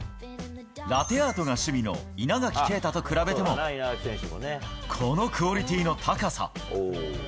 ラテアートが趣味の稲垣啓太と比べても、このクオリティーの高さ。